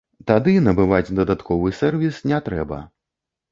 Тады набываць дадатковы сэрвіс не трэба.